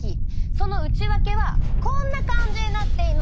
その内訳はこんな感じになっています。